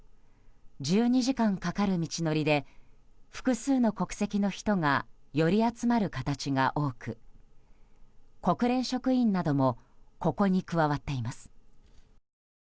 １２時間かかる道のりで複数の国籍の人が寄り集まる形が多く国連職員などもここに加わっています。